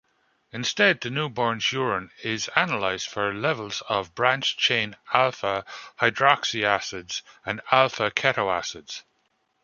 Instead, the newborn's urine is analyzed for levels of branched-chain alpha-hydroxyacids and alpha-ketoacids.